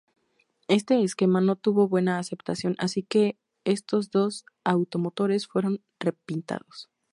Este esquema no tuvo buena aceptación, así que estos dos automotores fueron repintados.